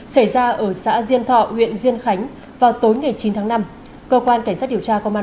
xảy ra ở xã diên thọ huyện diên khánh vào tối ngày chín tháng năm cơ quan cảnh sát điều tra công an